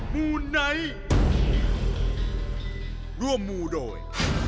มูไนท์ร่วมมูโดย